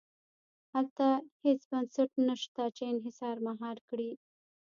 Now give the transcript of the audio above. هلته هېڅ بنسټ نه شته چې انحصار مهار کړي.